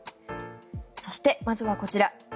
そして、まずはこちら。